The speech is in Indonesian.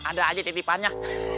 ada aja titipannya